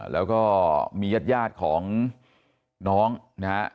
แล้วก็มีญาติยาดของน้องนะครับ